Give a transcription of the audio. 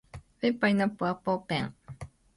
ペンパイナッポーアッポーペン